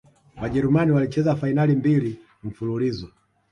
wajerumani walicheza fainali mbili mfululizo